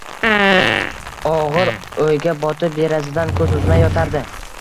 Og‘ir o‘yga botib derazadan ko‘z uzmay yotardi.